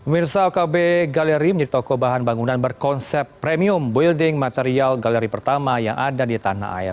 mirsa okb galeri menjadi toko bahan bangunan berkonsep premium building material gallery pertama yang ada di tanah air